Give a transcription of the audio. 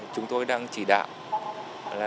chúng tôi đang chỉ đạo